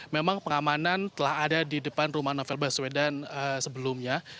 memang pengamanan telah ada di depan rumah novel baswedan sebelumnya